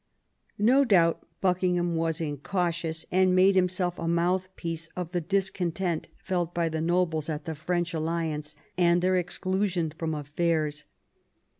No doubt Buckingham was incautious, and made himself a mouthpiece of the dis content felt by the nobles at the French alliance and their own exclusion from affairs.